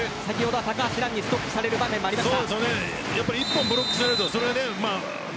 高橋藍にストップされる場合もありました。